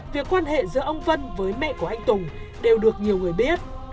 việc quan hệ giữa ông vân với mẹ của anh tùng đều được nhiều người biết